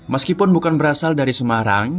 meskipun bukan berasal dari semarang